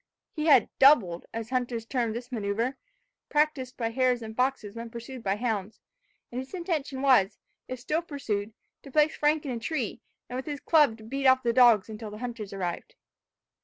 He had doubled, as hunters term this manoeuvre, practised by hares and foxes when pursued by hounds; and his intention was, if still pursued, to place Frank in a tree, and with his club to beat off the dogs until the hunters arrived.